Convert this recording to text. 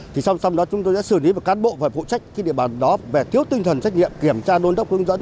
thì sau đó chúng ta sẽ xử lý về cán bộ và phụ trách địa bàn đó về tiêu tinh thần trách nhiệm kiểm tra đôn tốc hướng dẫn